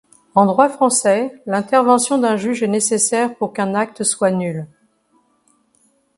En droit français, l'intervention d'un juge est nécessaire pour qu'un acte soit nul.